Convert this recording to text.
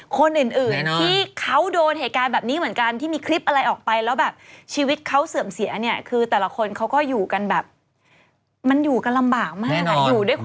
คือยังไงก็คงจะสักภาค